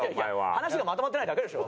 話がまとまってないだけでしょ。